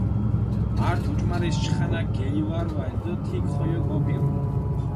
ართ ოჭუმარეს, ჩხანაქ გელივარვალჷ დო თიქ ხოლო გოპირუ.